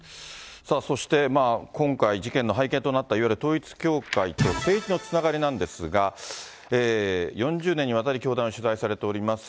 そして、今回、事件の背景となったいわゆる統一教会と政治のつながりなんですが、４０年にわたり教団を取材されております